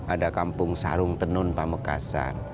ada kampung sarung tenun pamekasan